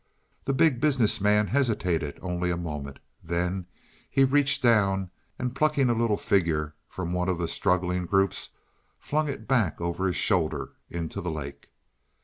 The Big Business Man hesitated only a moment; then he reached down and plucking a little figure from one of the struggling groups, flung it back over his shoulder into the lake.